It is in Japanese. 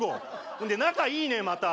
ほんで仲いいねまた。